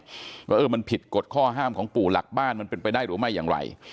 ว่าเออมันผิดกฎข้อห้ามของปู่หลักบ้านมันเป็นไปได้หรือไม่อย่างไร